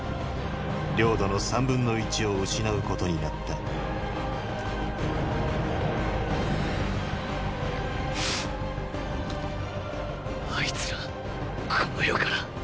領土の３分の１を失うことになったあいつらこの世から。